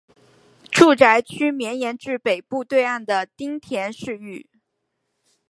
住宅区绵延至北部对岸的町田市域。